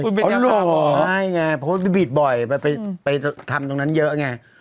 อ๋อหรอไม่ไงเพราะว่าพี่บีดบ่อยไปไปไปทำตรงนั้นเยอะไง